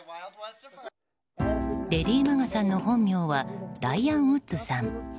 レディー・マガさんの本名はライアン・ウッズさん。